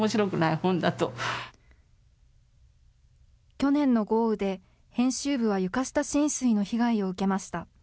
去年の豪雨で、編集部は床下浸水の被害を受けました。